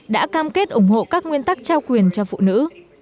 đã cam kết ủng hộ các nguyên tắc trao quyền cho phụ nữ